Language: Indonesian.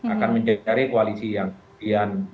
akan mencari koalisi yang kemudian